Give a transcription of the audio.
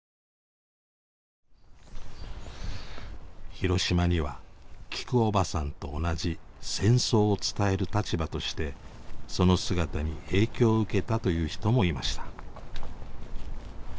広島にはきくおばさんと同じ戦争を伝える立場としてその姿に影響を受けたという人もいました。